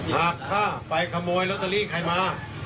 หากข้าไปขโมยลอตเตอรี่ไขม้า